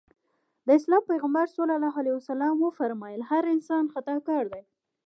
د اسلام پيغمبر ص وفرمایل هر انسان خطاکار دی.